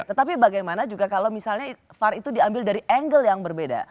tetapi bagaimana juga kalau misalnya var itu diambil dari angle yang berbeda